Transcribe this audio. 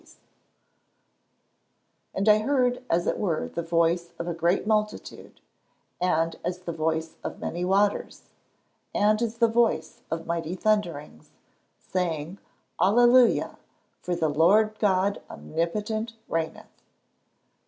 [Verse: "And I heard as it were the voice of a great multitude, and as the voice of many waters, and as the voice of mighty thunderings, saying Alleluia: for the Lord God omnipotent reigneth."